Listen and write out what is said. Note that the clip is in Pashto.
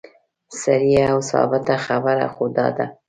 صریحه او ثابته خبره خو دا ده.